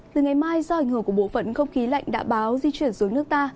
từ ngày mai do ảnh hưởng của bộ phận không khí lạnh đã báo di chuyển xuống nước ta